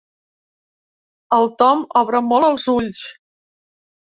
El Tom obre molt els ulls.